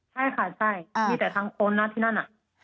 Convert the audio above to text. ใช่ค่ะใช่มีแต่ทางคนนะที่นั่นน่ะ